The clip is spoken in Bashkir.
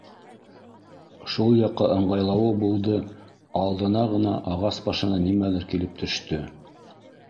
Шул яҡҡа ыңғайлауы булды, алдына ғына ағас башынан нимәлер килеп төштө.